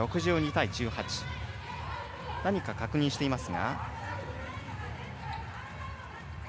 何か確認しています。